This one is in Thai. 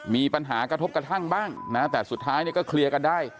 มีปัญหากระทบกระทั่งบ้างนะแต่สุดท้ายเนี่ยก็เคลียร์กันได้